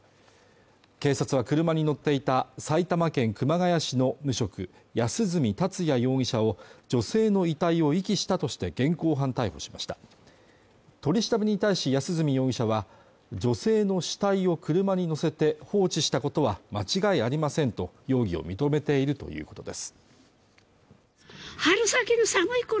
警察は車に乗っていた埼玉県熊谷市の無職安栖達也容疑者を女性の遺体を遺棄したとして現行犯逮捕しました取り調べに対し安栖容疑者は女性の死体を車に乗せて放置したことは間違いありませんと容疑を認めているということです